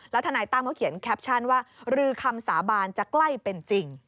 ทนายตั้มเขาเขียนแคปชั่นว่ารือคำสาบานจะใกล้เป็นจริง